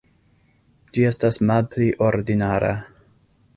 Ĝi estas malpli ordinara.